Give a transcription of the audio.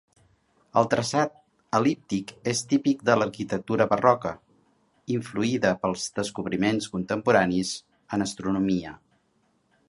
El traçat el·líptic és típic de l'arquitectura barroca, influïda pels descobriments contemporanis en astronomia.